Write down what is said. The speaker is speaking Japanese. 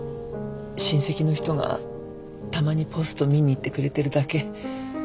親戚の人がたまにポスト見に行ってくれてるだけ。